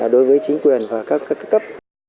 đối với chính quyền và các cấp